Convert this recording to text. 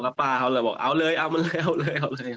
แล้วป้าเขาเลยบอกเอาเลยเอามันเลยเอาเลยเอาเลย